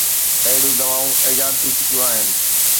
اهڙيون دوائون ايجاد ٿي چڪيون آهن.